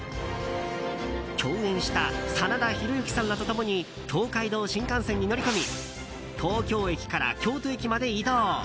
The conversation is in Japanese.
共演した真田広之さんらと共に東海道新幹線に乗り込み東京駅から京都駅まで移動。